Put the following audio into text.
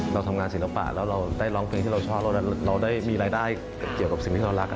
เราทำงานศิลปะแล้วเราได้ร้องเพลงที่เราชอบเราได้มีรายได้เกี่ยวกับสิ่งที่เรารัก